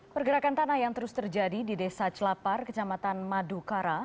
pergerakan tanah yang terus terjadi di desa celapar kecamatan madukara